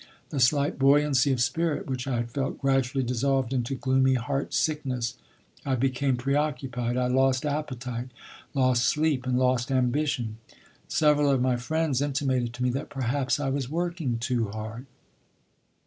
The slight buoyancy of spirit which I had felt gradually dissolved into gloomy heart sickness. I became preoccupied; I lost appetite, lost sleep, and lost ambition. Several of my friends intimated to me that perhaps I was working too hard.